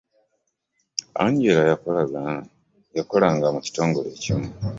Angela yakolanga mu kitongole ekimu.